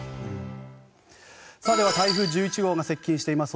では台風１１号が接近しています